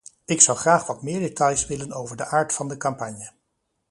Ik zou graag wat meer details willen over de aard van de campagne.